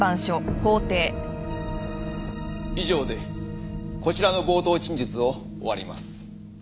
以上でこちらの冒頭陳述を終わります。